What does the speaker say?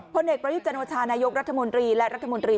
ผลเอกประยุทธ์จันทราชานายกรรธมนตรี